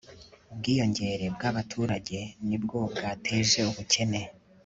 ubwiyongere bwabaturage ni bwo bwateje ubukene